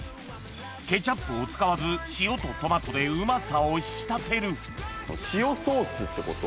ケチャップを使わず塩とトマトでうまさを引き立てる塩ソースってこと？